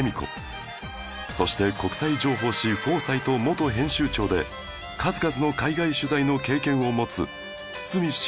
そして国際情報誌『フォーサイト』元編集長で数々の海外取材の経験を持つ